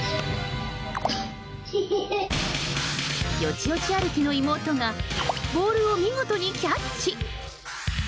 よちよち歩きの妹がボールを見事にキャッチ。